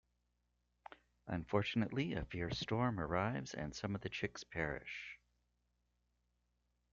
Unfortunately, a fierce storm arrives and some of the chicks perish.